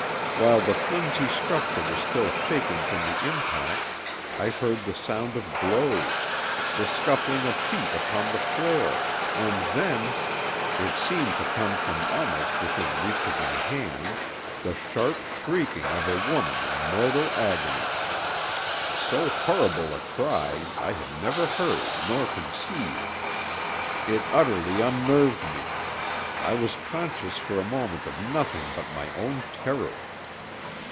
While the flimsy structure was still shaking from the impact I heard the sound of blows, the scuffling of feet upon the floor, and then—it seemed to come from almost within reach of my hand, the sharp shrieking of a woman in mortal agony. So horrible a cry I had never heard nor conceived; it utterly unnerved me; I was conscious for a moment of nothing but my own terror!